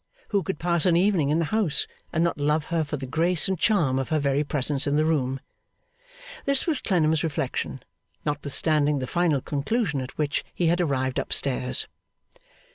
Who could pass an evening in the house, and not love her for the grace and charm of her very presence in the room? This was Clennam's reflection, notwithstanding the final conclusion at which he had arrived up stairs.